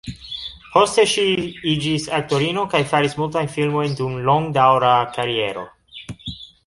Poste ŝi iĝis aktorino kaj faris multajn filmojn dum longdaŭra kariero.